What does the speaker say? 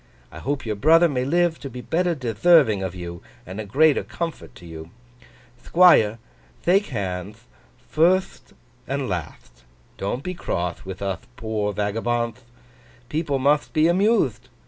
I hope your brother may live to be better detherving of you, and a greater comfort to you. Thquire, thake handth, firtht and latht! Don't be croth with uth poor vagabondth. People mutht be amuthed.